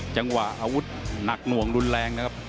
จังหวะอาวุธหนักหน่วงรุนแรงนะครับ